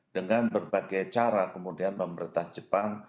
dengan berbagai cara kemudian pemerintah jepang